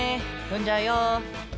踏んじゃうよ。